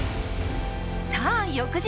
さあ翌日。